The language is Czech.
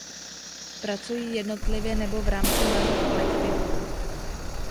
Pracují jednotlivě nebo v rámci malých kolektivů.